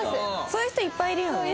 そういう人いっぱいいるよね。